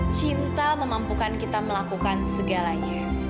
cinta memampukan kita melakukan segalanya